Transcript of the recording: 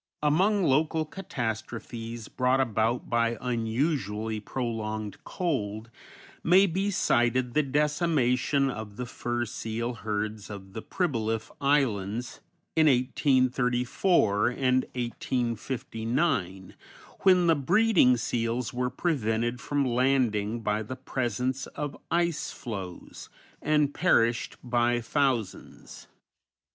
Among local catastrophes brought about by unusually prolonged cold may be cited the decimation of the fur seal herds of the Pribilof Islands in 1834 and 1859, when the breeding seals were prevented from landing by the presence of ice floes, and perished by thousands.